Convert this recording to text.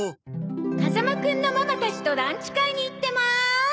「風間くんのママたちとランチ会に行ってます！」